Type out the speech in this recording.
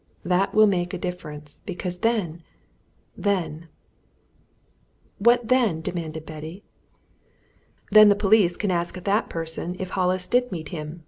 that will make a difference! Because then then " "What then?" demanded Betty. "Then the police can ask that person if Hollis did meet him!"